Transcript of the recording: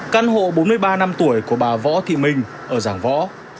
căn hộ bốn mươi ba năm tuổi của bà võ thị minh ở giảng võ